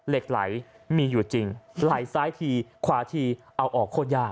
เหล็กไหลมีอยู่จริงไหลซ้ายทีขวาทีเอาออกโคตรยาก